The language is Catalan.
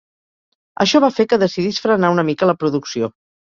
Això va fer que decidís frenar una mica la producció.